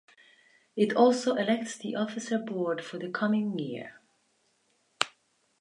It also elects the Officer Board for the coming year.